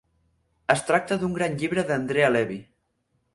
Es tracta del gran llibre d'Andrea Levy.